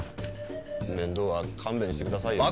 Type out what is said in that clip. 面倒は勘弁してくださいよ。